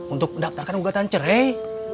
untuk mendapatkan ugatan cerai